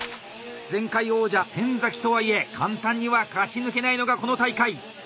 前回王者・先とはいえ簡単には勝ち抜けないのがこの大会。